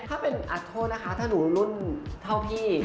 ถ้าเป็นอัดโทษนะคะถ้าหนูรุ่นเท่าพี่